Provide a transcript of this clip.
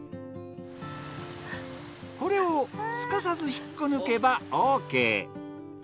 これをすかさず引っこ抜けばオーケー。